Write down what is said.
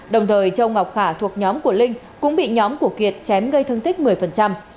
đồng thời châu ngọc khả thuộc nhóm của linh cũng bị nhóm của kiệt chém gây thương tích một mươi